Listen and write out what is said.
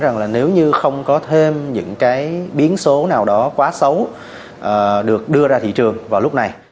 rằng là nếu như không có thêm những cái biến số nào đó quá xấu được đưa ra thị trường vào lúc này